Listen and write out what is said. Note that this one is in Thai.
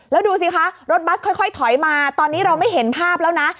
แล้วดูสิคะรถบัสค่อยถอยมาตอนนี้เราไม่เห็นภาพแล้วนะ